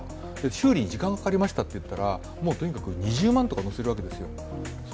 修理に時間かかりましたといったらとにかく２０万とかのせるわけですよ。